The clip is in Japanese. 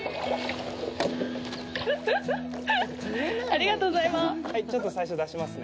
ありがとうございます。